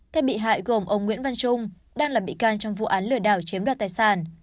các bị hại gồm ông nguyễn văn trung đang làm bị can trong vụ án lửa đảo chiếm đoạt tài sản